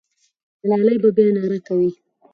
ملالۍ به بیا ناره کوي.